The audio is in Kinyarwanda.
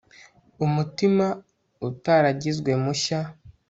umutima utaragizwe mushya